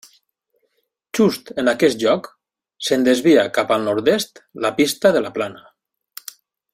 Just en aquest lloc se'n desvia cap al nord-est la Pista de la Plana.